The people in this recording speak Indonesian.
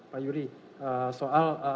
pak yuri soal